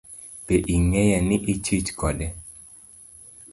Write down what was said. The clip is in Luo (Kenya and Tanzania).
Be ing'eyo ni ichich kode?